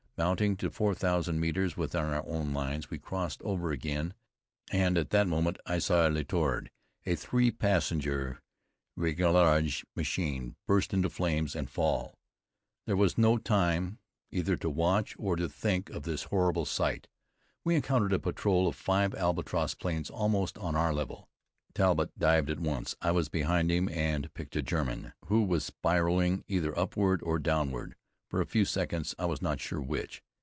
Mounting to four thousand metres within our own lines, we crossed over again, and at that moment I saw a Letord, a three passenger réglage machine, burst into flames and fall. There was no time either to watch or to think of this horrible sight. We encountered a patrol of five Albatross planes almost on our level. Talbott dived at once. I was behind him and picked a German who was spiraling either upward or downward, for a few seconds I was not sure which.